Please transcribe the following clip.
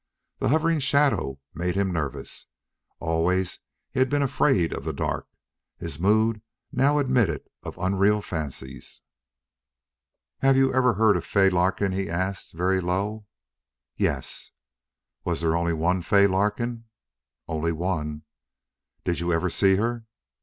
The hovering shadows made him nervous. Always he had been afraid of the dark. His mood now admitted of unreal fancies. "Have you ever heard of Fay Larkin?" he asked, very low. "Yes." "Was there only one Fay Larkin?" "Only one." "Did you ever see her?"